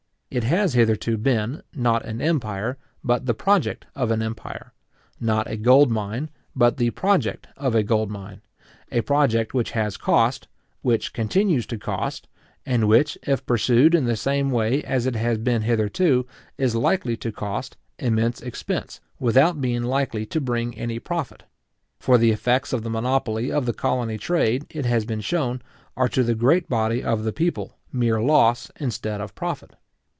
It has hitherto been, not an empire, but the project of an empire; not a gold mine, but the project of a gold mine; a project which has cost, which continues to cost, and which, if pursued in the same way as it has been hitherto, is likely to cost, immense expense, without being likely to bring any profit; for the effects of the monopoly of the colony trade, it has been shewn, are to the great body of the people, mere loss instead of profit.